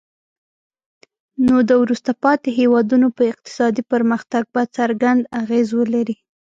نو د وروسته پاتې هیوادونو په اقتصادي پرمختګ به څرګند اغیز ولري.